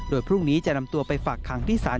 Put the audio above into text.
โดยพรุ่งนี้จะนำตัวไปฝากคังที่ศาล